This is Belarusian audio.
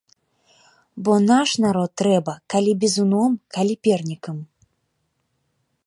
Бо наш народ трэба калі бізуном, калі пернікам.